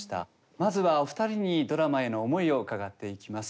まずはお二人にドラマへの思いを伺っていきます。